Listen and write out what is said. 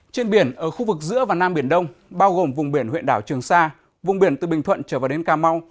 trên biển ở khu vực giữa và nam biển đông bao gồm vùng biển huyện đảo trường sa vùng biển từ bình thuận trở vào đến cà mau